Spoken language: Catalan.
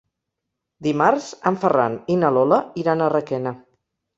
Dimarts en Ferran i na Lola iran a Requena.